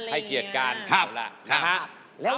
ให้เกียรติการแล้วล่ะ